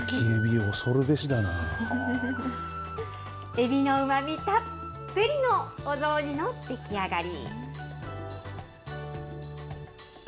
エビのうまみたっぷりのお雑煮の出来上がり。